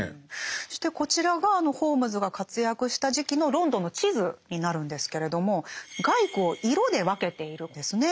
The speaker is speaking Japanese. そしてこちらがホームズが活躍した時期のロンドンの地図になるんですけれども街区を色で分けているんですね。